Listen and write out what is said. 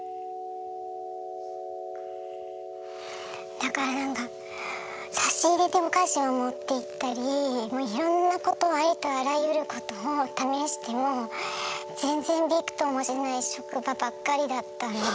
だからなんか差し入れでお菓子を持っていったりもういろんなことをありとあらゆることを試しても全然びくともしない職場ばっかりだったので。